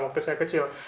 waktu saya kecil